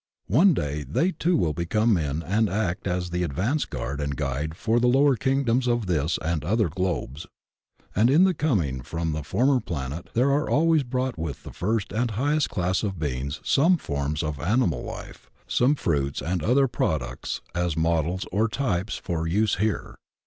One day they too will become men and act as the ad vance guard and guide for other lower kingdoms of this or other globes. And in the coming from the former planet there are always brought with the first and highest class of beings some forms of animal life, some fruits and other products as models or types for use here.